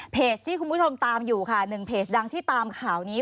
ที่คุณผู้ชมตามอยู่ค่ะหนึ่งเพจดังที่ตามข่าวนี้